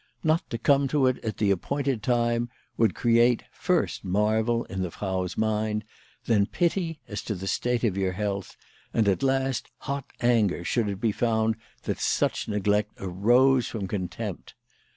Not to come to it at the ap pointed time would create, first marvel, in the Frau's mind, then pity, as to the state of your health, and at last hot anger should it be found that such neglect arose from contempt.